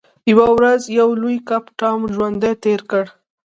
یوه ورځ یو لوی کب ټام ژوندی تیر کړ.